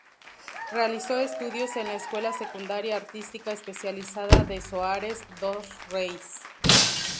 Realizó estudios en la Escuela Secundaria Artística Especializada de Soares dos Reis.